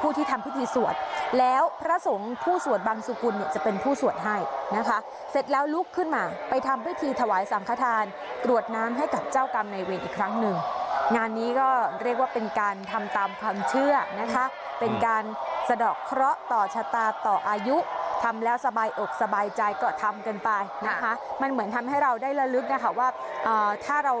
ผู้ที่ทำพิธีสวดแล้วพระสงฆ์ผู้สวดบังสุกุลเนี่ยจะเป็นผู้สวดให้นะคะเสร็จแล้วลุกขึ้นมาไปทำพิธีถวายสังขทานกรวดน้ำให้กับเจ้ากรรมในเวรอีกครั้งหนึ่งงานนี้ก็เรียกว่าเป็นการทำตามความเชื่อนะคะเป็นการสะดอกเคราะห์ต่อชะตาต่ออายุทำแล้วสบายอกสบายใจก็ทำกันไปนะคะมันเหมือนทำให้เราได้ระลึกนะคะว่าถ้าเรา